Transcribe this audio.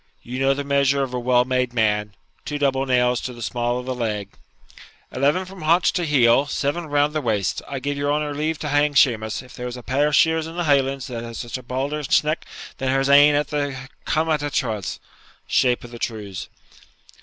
You know the measure of a well made man two double nails to the small of the leg ' 'Eleven from haunch to heel, seven round the waist. I give your honour leave to hang Shemus, if there's a pair of sheers in the Highlands that has a baulder sneck than her's ain at the cumadh an truais' (shape of the trews).